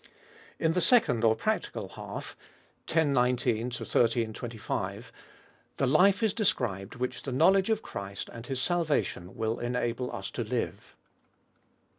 In the second, or practical half (x. I9~xiii. 25), the life is described which the knowledge of Christ and His salvation will enable us to live.